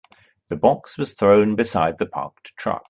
The box was thrown beside the parked truck.